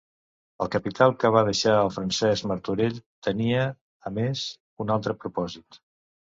El capital que va deixar el Francesc Martorell tenia, a més, un altre propòsit.